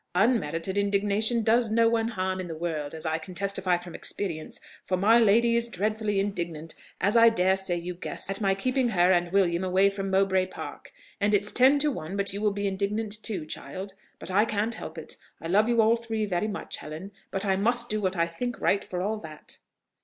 Unmerited indignation does one no harm in the world, as I can testify from experience; for my lady is dreadfully indignant, as I dare say you guess, at my keeping her and William away from Mowbray Park: and it's ten to one but you will be indignant too, child; but I can't help it. I love you all three very much, Helen; but I must do what I think right, for all that."